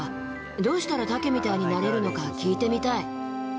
どうしたらタケみたいになれるのか聞いてみたい。